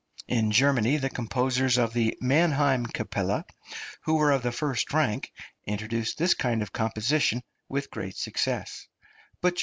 In Germany the composers of the Mannheim Kapelle, who were of the first rank, introduced this kind of composition with great success; but Jos.